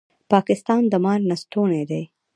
پاکستان د مار لستوڼی دی